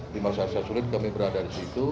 di masyarakat sulit kami berada di situ